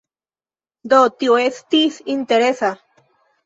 Do, tio estis interesa.